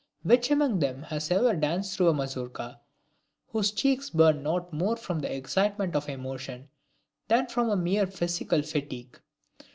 Which among them has ever danced through a Mazourka, whose cheeks burned not more from the excitement of emotion than from mere physical fatigue?